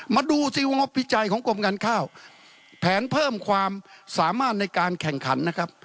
มาดูสิงบพิจัยของกรมการข้าวแผนเพิ่มความสามารถในการแข่งขันนะครับ